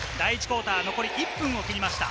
第１クオーターは残り１分を切りました。